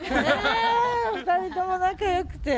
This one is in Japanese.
お二人とも仲良くて。